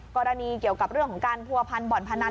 กรณีเกี่ยวกับเรื่องของการผัวพันบ่อนพนัน